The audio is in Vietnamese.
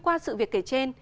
qua sự việc kể trên